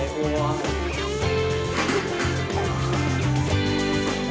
กูไม่อ้วน